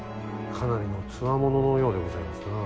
かなりの強者のようでございますな。